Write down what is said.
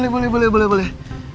eh boleh boleh boleh